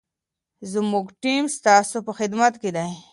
زموږ ټیم ستاسو په خدمت کي دی.